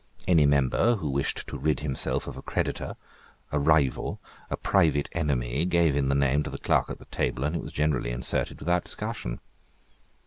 Any member who wished to rid himself of a creditor, a rival, a private enemy, gave in the name to the clerk at the table, and it was generally inserted without discussion.